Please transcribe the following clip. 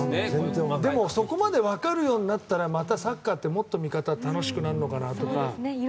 でも、そこまで分かるようになったらまたサッカーってもっと見方楽しくなるのかなとか。